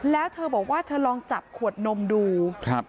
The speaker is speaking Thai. แล้วเธอบอกว่าเธอลองจับขวดนมดูครับ